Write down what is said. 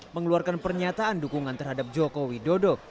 mengeluarkan pernyataan dukungan terhadap joko widodo